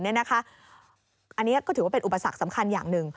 อันนี้ก็ถือว่าเป็นอุปสรรคสำคัญอย่างหนึ่ง